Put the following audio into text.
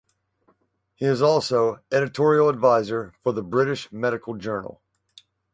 He is also editorial advisor for the British Medical Journal.